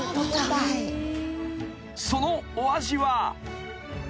［そのお味は］